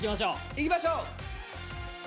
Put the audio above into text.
いきましょう！